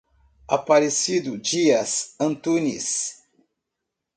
Aparecido Dias Antunis